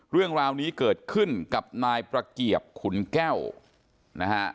เรื่องราวนี้เกิดขึ้นกับนายประเกียบขุนแก้วนะฮะ